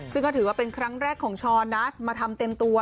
ซึ่งก็ถือว่าเป็นครั้งแรกของช้อนนะมาทำเต็มตัว